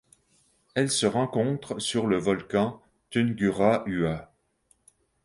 Elle se rencontre sur le volcan Tungurahua.